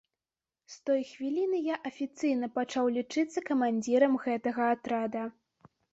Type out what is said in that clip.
З той хвіліны я афіцыйна пачаў лічыцца камандзірам гэтага атрада.